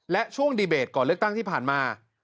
และช่วงดีเบตก่อนเลือกตั้งที่ผ่านมา